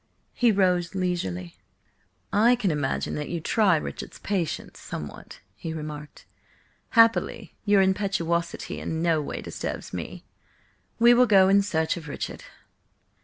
He rose leisurely. "I can imagine that you try Richard's patience somewhat," he remarked. "Happily, your impetuosity in no way disturbs me. We will go in search of Richard."